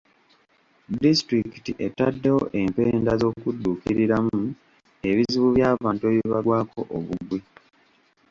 Disitulikiti etaddewo empenda z'okuduukiriramu ebizibu by'abantu ebibagwako obugwi.